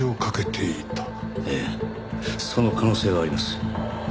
ええその可能性はあります。